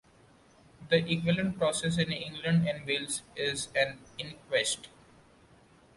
The equivalent process in England and Wales is an inquest.